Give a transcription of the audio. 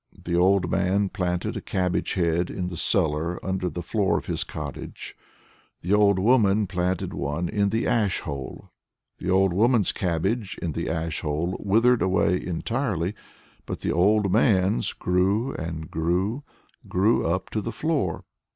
The old man planted a cabbage head in the cellar under the floor of his cottage; the old woman planted one in the ash hole. The old woman's cabbage, in the ash hole, withered away entirely; but the old man's grew and grew, grew up to the floor.